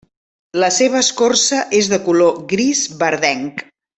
La seva escorça és de color gris verdenc.